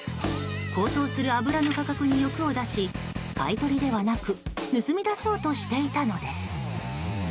高騰する油の価格に欲を出し買い取りではなく盗み出そうとしていたのです。